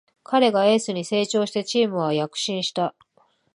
彼がエースに成長してチームは躍進した